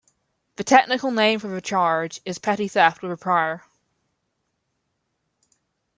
The technical name for the charge is petty theft with a prior.